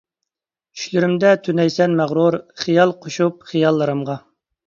چۈشلىرىمدە تۈنەيسەن مەغرۇر، خىيال قوشۇپ خىياللىرىمغا.